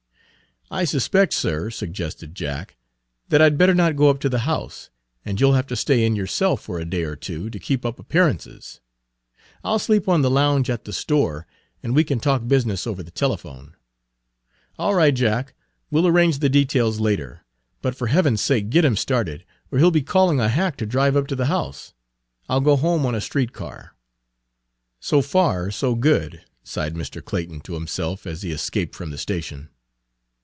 "I suspect, sir," suggested Jack, "that I'd better not go up to the house, and you 'll have to stay in yourself for a day or two, to keep up appearances. I'll sleep on the lounge at the store, and we can talk business over the telephone." "All right, Jack, we'll arrange the details later. But for Heaven's sake get him started, or he 'll be calling a hack to drive up to the house. I'll go home on a street car." "So far so good," sighed Mr. Clayton to himself as he escaped from the station.